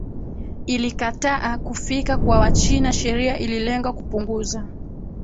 ilikataa kufika kwa Wachina sheria ililenga kupunguza